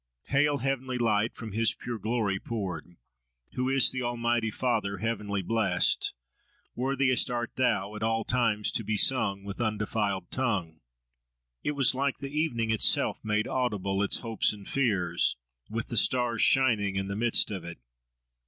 "Hail! Heavenly Light, from his pure glory poured, Who is the Almighty Father, heavenly, blest:— Worthiest art Thou, at all times to be sung With undefiled tongue."— It was like the evening itself made audible, its hopes and fears, with the stars shining in the midst of it.